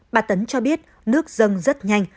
bà tấn cho biết nước dâng rất nhanh